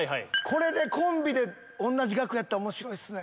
コンビで同じ額やったら面白いっすね。